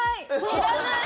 ・いらない？